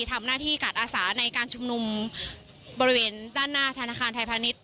ทำหน้าที่การอาสาในการชุมนุมบริเวณด้านหน้าธนาคารไทยพาณิชย